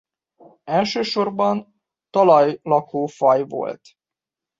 Elsősorban talajlakó faj volt.